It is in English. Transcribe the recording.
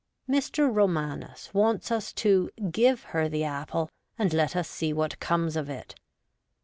Mr. Romanes wants us to ' give her the apple,, and let us see what comes of it.'